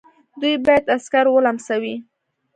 دوی باید عسکر ولمسوي.